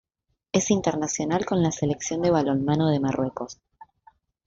Es internacional con la Selección de balonmano de Marruecos.